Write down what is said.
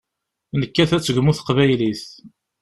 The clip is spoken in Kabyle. Nekkat ad tegmu teqbaylit.